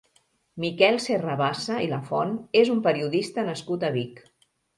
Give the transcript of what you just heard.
Miquel Serrabassa i Lafont és un periodista nascut a Vic.